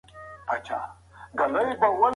مکناتن د جګړې د ناکامۍ له امله اندېښمن شو.